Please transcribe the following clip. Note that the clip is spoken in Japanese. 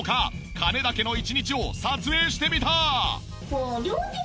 金田家の１日を撮影してみた！